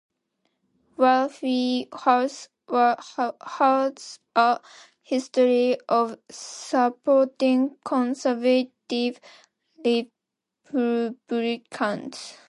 Waffle House has a history of supporting conservative Republicans.